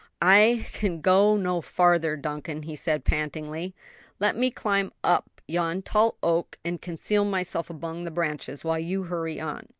"I can go no farther, Duncan," he said, pantingly; "let me climb up yon tall oak and conceal myself among the branches, while you hurry on."